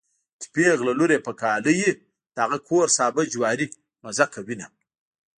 چې پېغله لور يې په کاله وي د هغه کور سابه جواری مزه کوينه